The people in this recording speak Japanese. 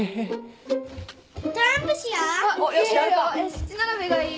七並べがいい。